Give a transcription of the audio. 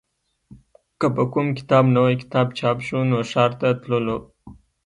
که به کوم نوی کتاب چاپ شو نو ښار ته تللو